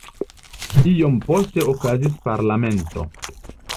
Iom poste okazis parlamento.